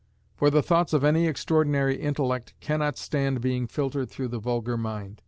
For the thoughts of any extraordinary intellect cannot stand being filtered through the vulgar mind.